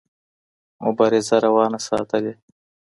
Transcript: مبارزه روانه ساتلې.